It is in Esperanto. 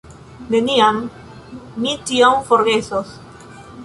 Neniam mi tion forgesos!